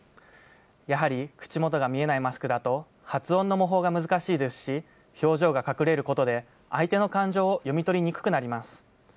やはり、口元が見えないマスクだと、発音の模倣が難しいですし、表情が隠れることで、相手の感情を読み取りにくくなります。